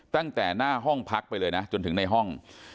ตั้งแต่หน้าห้องพักไปเลยนะจนถึงในห้อง